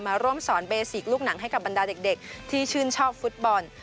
มาร่วมสอนเบสิกลูกหนังให้กับบรรดาเด็กที่ชื่นชอบฟุตบอล